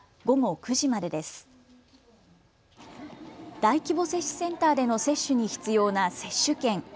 大規模接種センターでの接種に必要な接種券。